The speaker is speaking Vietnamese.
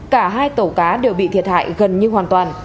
cả hai tàu cá đều bị thiệt hại gần như hoàn toàn